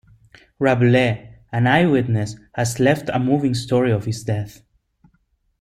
Rabelais, an eye-witness, has left a moving story of his death.